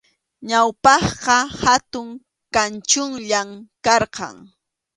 Ñawpaqqa hatun kanchunllam karqan.